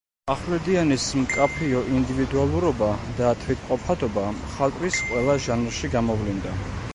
ახვლედიანის მკაფიო ინდივიდუალურობა და თვითმყოფადობა მხატვრის ყველა ჟანრში გამოვლინდა.